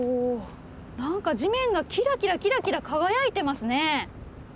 何か地面がキラキラキラキラ輝いてますね。